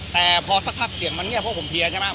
แต่พอสักคราบเสียงมันเหี้ยพวกผมเพียใช่ไหม